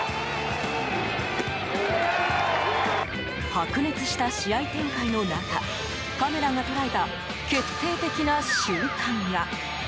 白熱した試合展開の中カメラが捉えた決定的な瞬間が。